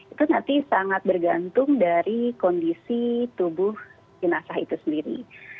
itu nanti sangat bergantung dari kondisi tubuh jenazah itu sendiri